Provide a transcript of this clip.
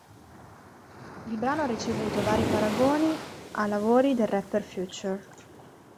Il brano ha ricevuto vari paragoni a lavori del rapper Future.